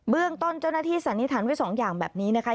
เรื่องต้นเจ้าหน้าที่สันนิษฐานไว้สองอย่างแบบนี้นะคะ